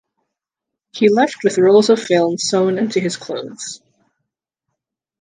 He left with rolls of film sewn into his clothes.